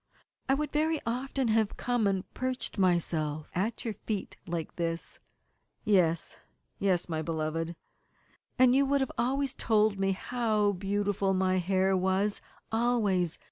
"I would very often have come and perched myself at your feet like this." "Yes, yes, my beloved." "And you would always have told me how beautiful my hair was always.